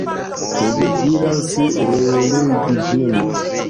Mi devas relegi ĝin.